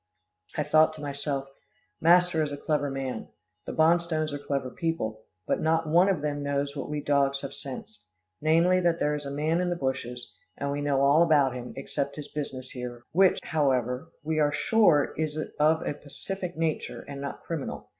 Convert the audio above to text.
I thought to myself: master is a clever man, the Bonstones are clever people, but not one of them knows what we dogs have sensed namely that there is a man in the bushes, and we know all about him, except his business here, which, however, we are sure is of a pacific nature, and not criminal.